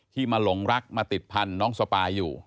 มาหลงรักมาติดพันธุ์น้องสปายอยู่